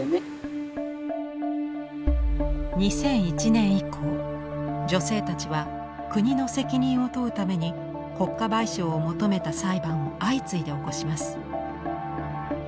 ２００１年以降女性たちは国の責任を問うために国家賠償を求めた裁判を相次いで起こします。